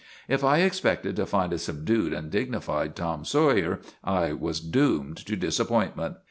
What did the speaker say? If I expected to find a subdued and dignified Tom Sawyer I was doomed to disappointment.